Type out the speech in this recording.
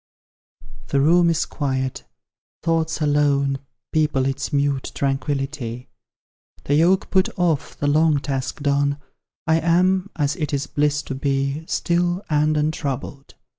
The room is quiet, thoughts alone People its mute tranquillity; The yoke put off, the long task done, I am, as it is bliss to be, Still and untroubled.